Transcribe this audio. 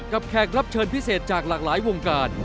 แขกรับเชิญพิเศษจากหลากหลายวงการ